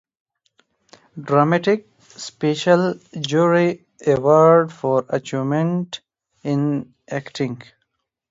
Dramatic Special Jury Award for Achievement in Acting.